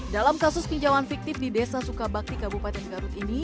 dalam kasus pinjaman fiktif di desa sukabakti kabupaten garut ini